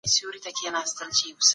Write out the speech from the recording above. د پيغمبر هره خبره حق ده.